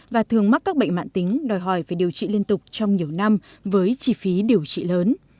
và thường mắc các bệnh mạng tính đòi hỏi phải điều trị liên tục trong nhiều năm với chi phí điều trị lớn